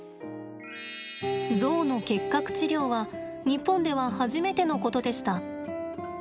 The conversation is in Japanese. ゾウの結核治療は日本では初めてのことでした。